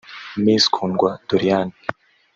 Miss Kundwa Doriane